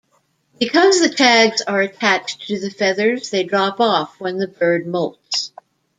Because the tags are attached to feathers, they drop off when the bird moults.